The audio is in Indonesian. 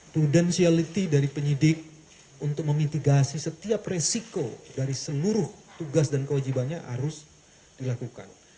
prudensiality dari penyidik untuk memitigasi setiap resiko dari seluruh tugas dan kewajibannya harus dilakukan